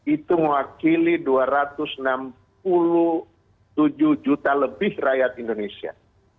itu mewakili dua ratus enam puluh tujuh juta lebih rakyat indonesia